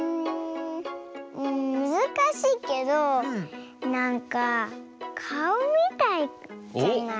んむずかしいけどなんかかおみたいじゃない？